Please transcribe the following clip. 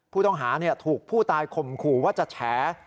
ผู้ต้องหาถูกผู้ตายข่มขู่ว่าจะแฉ